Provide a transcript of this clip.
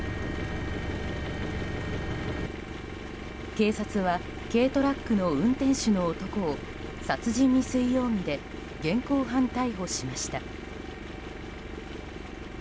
警察は軽トラックの運転手の男を殺人未遂容疑で現行犯逮捕しました。